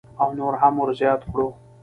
او نور هم ورزیات کړو.